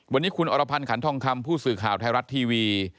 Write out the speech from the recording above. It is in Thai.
วันนี้คุณอรพันธ์ขันทองคำผู้สื่อข่าวไทยรัฐทีวี